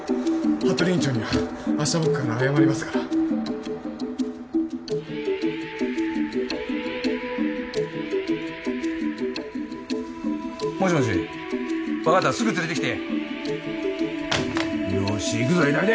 服部院長には明日僕から謝りますからもしもし分かったすぐ連れてきてよーし行くぞ永大出！